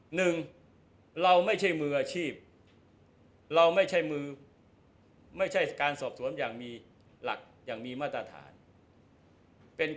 หนึ่งเราไม่ใช่มืออาชีพ